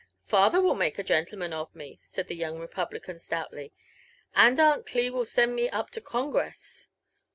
" Father will make a genlleman of me," said the young republican stoutly; *• and Aunt Cli will send me up to Congress."